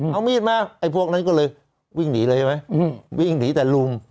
เอามีดมาไอ้พวกนั้นก็เลยวิ่งหนีเลยใช่ไหมวิ่งหนีแต่ลุง